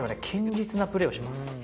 堅実なプレーをします。